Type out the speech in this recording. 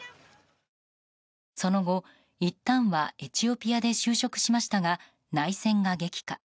その後、いったんはエチオピアで就職しましたが内戦が激化。